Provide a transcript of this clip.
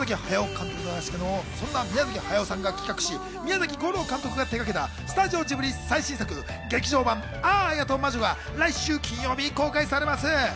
宮崎駿さんが企画し、宮崎吾朗監督が手がけたスタジオジブリ最新作、劇場版『アーヤと魔女』が来週金曜日公開されます。